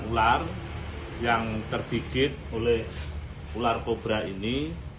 sebenarnya kemungkinan mereka menangkap ular king cobra ini